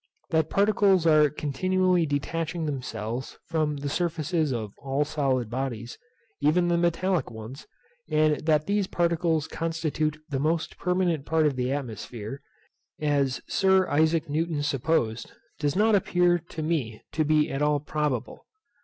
That particles are continually detaching themselves from the surfaces of all solid bodies, even the metallic ones, and that these particles constitute the most permanent part of the atmosphere, as Sir Isaac Newton supposed, does not appear to me to be at all probable.